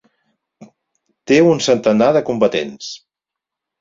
Té un centenar de combatents.